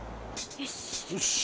よし。